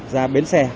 ra bến xe